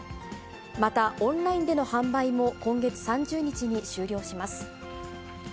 また、オンラインでの販売も、今月３０日に終了します。